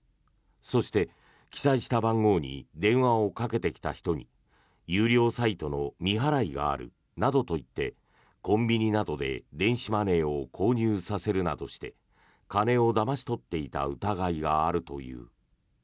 そして、記載した番号に電話をかけてきた人に有料サイトの未払いがあるなどと言ってコンビニなどで電子マネーを購入させるなどして金をだまし取っていた疑いがあるという。